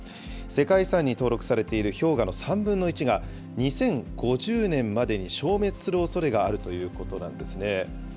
世界遺産に登録されている氷河の３分の１が、２０５０年までに消滅するおそれがあるということなんですね。